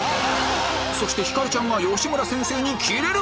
そしてひかるちゃんが吉村先生にキレる！